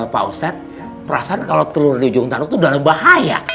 pak ustadz perasaan kalau telur di ujung taruh itu adalah bahaya